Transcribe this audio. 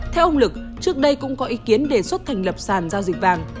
theo ông lực trước đây cũng có ý kiến đề xuất thành lập sàn giao dịch vàng